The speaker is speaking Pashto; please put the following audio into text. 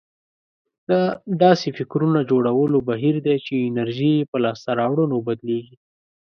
دا داسې فکرونه جوړولو بهير دی چې انرژي يې په لاسته راوړنو بدلېږي.